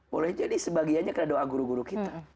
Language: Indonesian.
boleh jadi sebagiannya karena doa guru guru kita